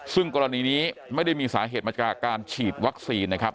ซึ่งกรณีนี้ไม่ได้มีสาเหตุมาจากการฉีดวัคซีนนะครับ